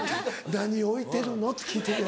何置いてるの？って聞いてるやろ。